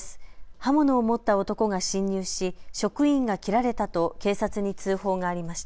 刃物を持った男が侵入し職員が切られたと警察に通報がありました。